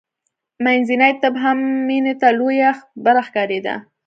منځنی طب هم مینې ته لویه خبره ښکارېده